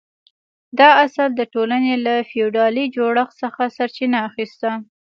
دا اصل د ټولنې له فیوډالي جوړښت څخه سرچینه اخیسته.